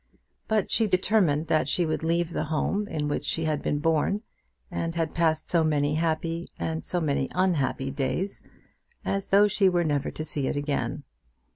But she determined that she would leave the home in which she had been born, and had passed so many happy and so many unhappy days, as though she were never to see it again.